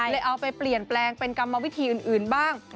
เอาไปเปลี่ยนแปลงเป็นกรรมวิธีอื่นบ้าง